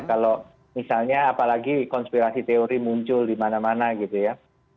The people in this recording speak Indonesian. kalau misalnya apalagi konspirasi teori muncul di mana mana gitu ya